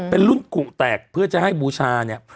เป็นรุ่นกุแตกเพื่อจะให้บูชาเนี่ย